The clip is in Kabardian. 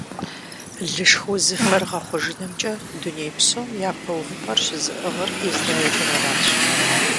Лышх узыфэр гъэхъужынымкӀэ дуней псом япэ увыпӀэр щызыӀыгъыр Израилыр аращ.